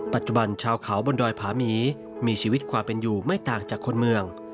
ปัจจุบันชาวเขาบนดอยผาหมีมีชีวิตความเป็นอยู่ไม่ต่างจากคนเมือง